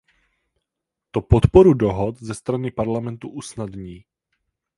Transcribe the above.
To podporu dohod ze strany Parlamentu usnadní.